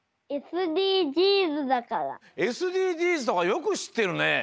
ＳＤＧｓとかよくしってるね。